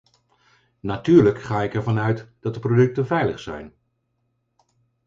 Natuurlijk ga ik ervan uit dat de producten veilig zijn.